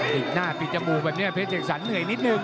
ปิดหน้าปิดจมูกแบบนี้เพชรเจกสรรเหนื่อยนิดนึง